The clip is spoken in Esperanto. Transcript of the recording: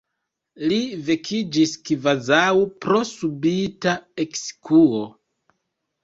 Li vekiĝis kvazaŭ pro subita ekskuo.